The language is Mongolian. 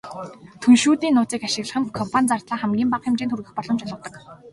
Түншүүдийн нууцыг ашиглах нь компани зардлаа хамгийн бага хэмжээнд хүргэх боломж олгодог.